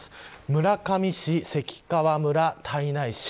村上市、関川村、胎内市